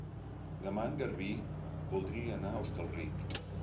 Demà en Garbí voldria anar a Hostalric.